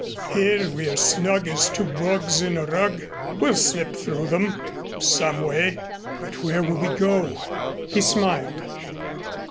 Here we are snug as two bugs in a rug. We'll slip through them some way." "But where will we go?" He smiled.